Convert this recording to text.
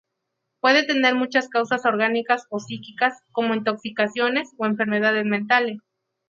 Puede tener muchas causas orgánicas o psíquicas, como intoxicaciones o enfermedades mentales.